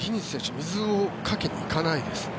水をかけに行かないですね。